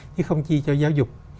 chứ không chi cho giáo dục